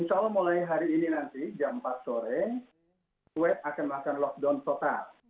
insya allah mulai hari ini nanti jam empat sore web akan melakukan lockdown total